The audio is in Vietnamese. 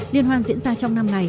liên hoan diễn ra trong năm ngày